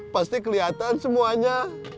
pasti kelihatan semuanya